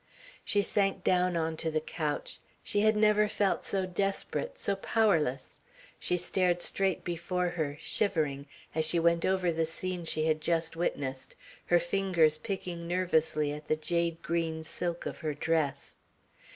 She sank down on to the couch. She had never felt so desperate, so powerless. She stared straight before her, shivering, as she went over the scene she had just witnessed, her fingers picking nervously at the jade green silk of her dress.